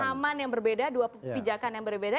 pengalaman yang berbeda dua pijakan yang berbeda